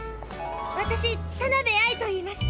私田名部愛と言います。